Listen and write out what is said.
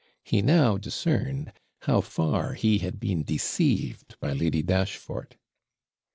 He now discerned how far he had been deceived by Lady Dashfort.